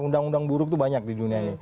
undang undang buruk itu banyak di dunia ini